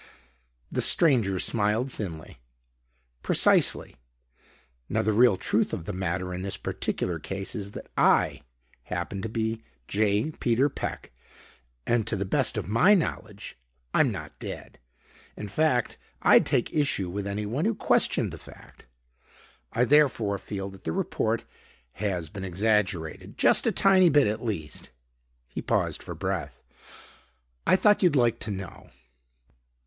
The stranger smiled thinly. "Precisely. Now the real truth of the matter in this particular case is that I happen to be J. Peter Peck and, to the best of my knowledge, I'm not dead. In fact I'd take issue with anyone who questioned the fact. I therefore feel that the report has been exaggerated; just a tiny bit, at least." He paused for breath. "I thought you'd like to know."